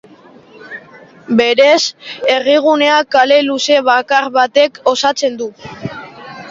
Berez, herrigunea kale luze bakar batek osatzen du.